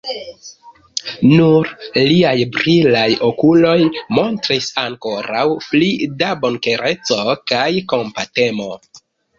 Nur liaj brilaj okuloj montris ankoraŭ pli da bonkoreco kaj kompatemo.